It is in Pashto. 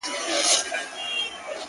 • چي یې ستا له زخمه درد و احساس راکړ,